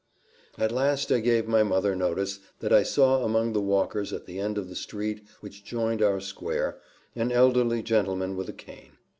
At last I gave my mother notice that I saw among the walkers at the end of the street which joined our square, an elderly gentleman with a cane.